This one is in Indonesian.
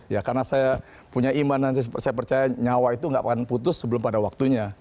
ya karena saya punya iman dan saya percaya nyawa itu nggak akan putus sebelum pada waktunya